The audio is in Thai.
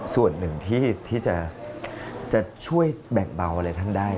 ส่วนหนึ่งที่จะช่วยแบ่งเบาอะไรท่านได้